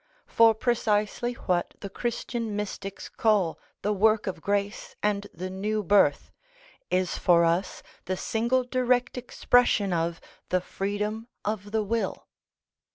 For precisely what the Christian mystics call the work of grace and the new birth, is for us the single direct expression of the freedom of the will.